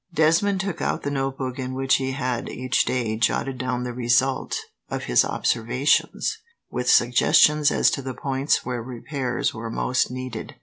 Desmond took out the notebook in which he had, each day, jotted down the result of his observations, with suggestions as to the points where repairs were most needed.